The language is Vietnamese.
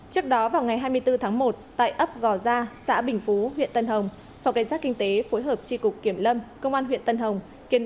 trước đó vào ngày hai mươi bốn tháng một tại ấp gò gia xã bình phú huyện tân hồng phòng cảnh sát kinh tế phối hợp tri cục kiểm lâm công an huyện tân hồng